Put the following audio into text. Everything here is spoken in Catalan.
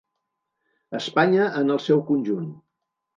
Espanya en el seu conjunt.